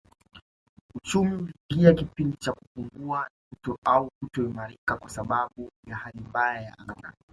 Uchumi uliingia kipindi cha kupungua au kutoimarika kwa sababu ya hali mbaya ya anga